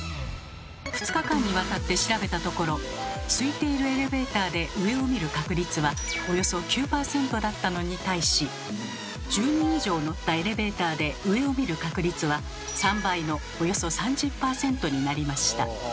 ２日間にわたって調べたところすいているエレベーターで上を見る確率はおよそ９％だったのに対し１０人以上乗ったエレベーターで上を見る確率は３倍のおよそ３０％になりました。